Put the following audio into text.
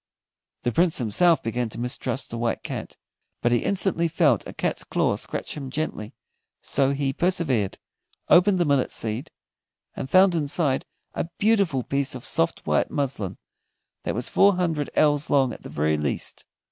The Prince himself began to mistrust the White Cat, but he instantly felt a cat's claw scratch him gently, so he persevered, opened the millet seed, and found inside a beautiful piece of soft white muslin that was four hundred ells long at the very least.